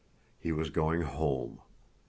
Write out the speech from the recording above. He was going home.